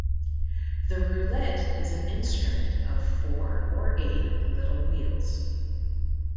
The roulette is an instrument of four or eight little wheels.